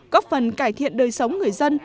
góp phần cải thiện đời sống người dân